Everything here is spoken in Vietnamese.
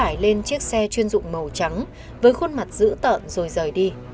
hải lên chiếc xe chuyên dụng màu trắng với khuôn mặt dữ tợn rồi rời đi